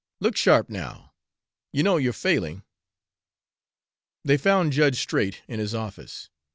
Look sharp, now! You know your failing!" They found Judge Straight in his office.